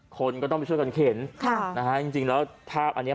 คนก็ต้องไปช่วยกันเข็นในจริงแล้วภาพนี้